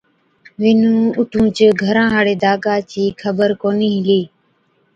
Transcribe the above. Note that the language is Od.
وِنُون اُٺُونچ گھران هاڙي دگا چِي خبر ڪونهِي هِلِي۔